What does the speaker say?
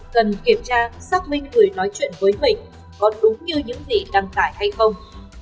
cần kiểm tra xác minh người nói chuyện với mình có đúng như những gì đăng tải hay không